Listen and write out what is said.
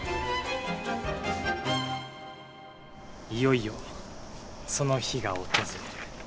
いよいよその日が訪れる。